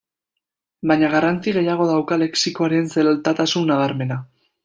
Baina garrantzi gehiago dauka lexikoaren zeltatasun nabarmena.